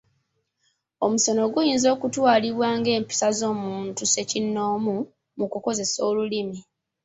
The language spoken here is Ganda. Omusono guyinza okutwalibwa ng’empisa z’omuntu ssekinnoomu mu kukozesa olulimi.